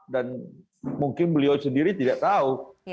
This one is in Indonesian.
dan mungkin beliau sendiri tidak tahu